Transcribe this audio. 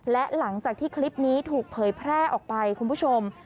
และหลังจากที่คลิปนี้ถูกเผยแพร่ออกไปคุณผู้ชม